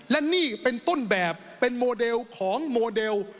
และนี่เป็นต้นแบบเป็นโมเดลของโมเดล